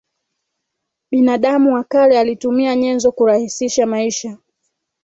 binadamu wa kale alitumia nyenzo kurahisisha maisha